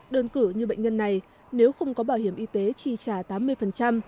đơn cử như bệnh nhân này nếu không có bảo hiểm y tế chi trả tám mươi